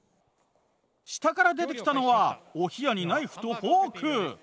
下から出てきたのはお冷やにナイフとフォーク。